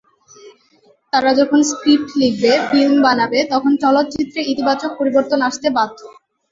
তারা যখন স্ক্রিপ্ট লিখবে, ফিল্ম বানাবে, তখন চলচ্চিত্রে ইতিবাচক পরিবর্তন আসতে বাধ্য।